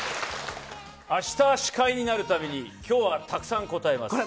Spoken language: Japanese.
あした司会になるために、きょうはたくさん答えます。